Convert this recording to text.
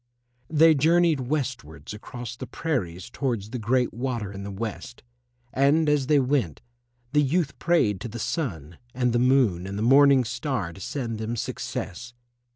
They journeyed westwards across the prairies towards the Great Water in the West, and as they went, the youth prayed to the Sun and the Moon and the Morning Star to send them success.